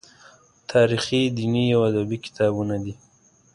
تاریخي، دیني او ادبي کتابونه دي.